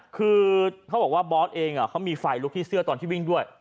คือเขาบอกว่าบอสเองเขามีไฟลุกที่เสื้อตอนที่วิ่งด้วย